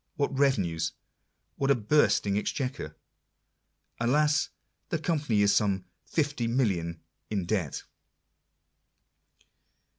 what revenues ! what a bursting exchequer ! Alas ! the Company is some 50,000,000/. in debt.